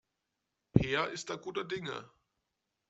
Peer ist da guter Dinge.